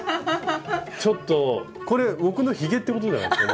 ちょっとこれ僕のひげってことじゃないですか？